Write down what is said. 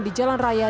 di jawa tengah